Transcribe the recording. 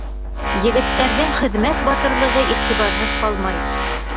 Егеттәрҙең хеҙмәт батырлығы иғтибарһыҙ ҡалмай.